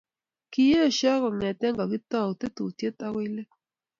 kiesho kongete kakitau tetutiet akoi let